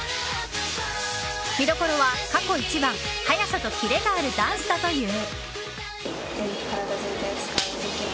見どころは過去一番速さとキレがあるダンスだという。